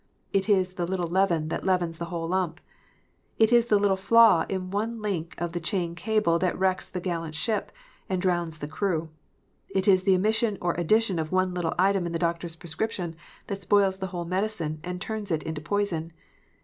It is the little leaven that leavens the whole lump. It is the little flaw in one link of the chain cable that wrecks the gallant ship, and drowns the crew. It is the omission or addition of one little item in the doctor s prescription that spoils the whole medicine, and turns it into poison.